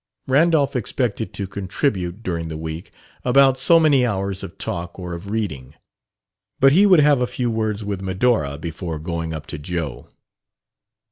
Randolph expected to contribute, during the week, about so many hours of talk or of reading. But he would have a few words with Medora before going up to Joe.